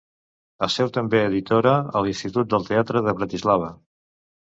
Es féu també editora a l'Institut del Teatre de Bratislava.